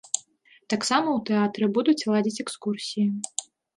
Таксама ў тэатры будуць ладзіць экскурсіі.